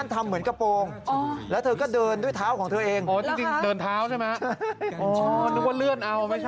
นึกว่ามีรอเลื่อน